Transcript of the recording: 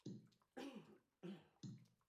ژبه د ښځې خوږ غږ دی